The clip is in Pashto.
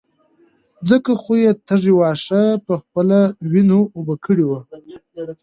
ځکه خو يې تږي واښه په خپلو وينو اوبه کړي وو.